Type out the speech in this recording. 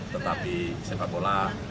tetapi sempat bola